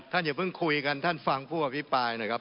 อย่าเพิ่งคุยกันท่านฟังผู้อภิปรายหน่อยครับ